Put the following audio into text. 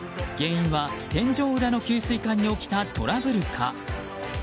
原因は天井裏の給水管に起きたトラブルか。